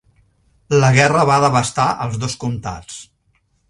La guerra va devastar els dos comtats.